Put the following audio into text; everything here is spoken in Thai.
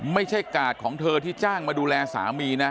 กาดของเธอที่จ้างมาดูแลสามีนะ